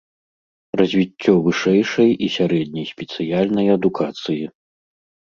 Развіццё вышэйшай і сярэдняй спецыяльнай адукацыі.